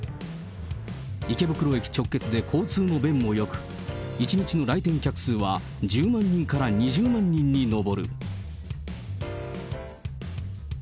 池袋駅直結で交通の便もよく、１日の来店客数は１０万人から２０万人に上る。